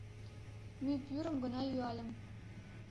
Мӱй пӱрым гына йӱальым.